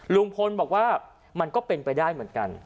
ลุงพลบอกว่ามันก็เป็นไปได้เหมือนกัน